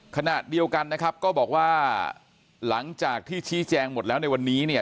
ขณะเดียวกันนะครับก็บอกว่าหลังจากที่ชี้แจงหมดแล้วในวันนี้เนี่ย